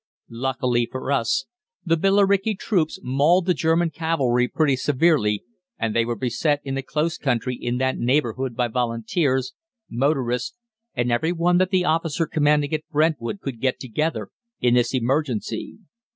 Luckily for us the Billericay troops mauled the German cavalry pretty severely, and they were beset in the close country in that neighbourhood by Volunteers, motorists, and every one that the officer commanding at Brentwood could get together in this emergency.